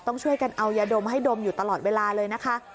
ต้องช่วยกันเอายาดมให้ดมอยู่ตลอดเวลาเลยนะคะ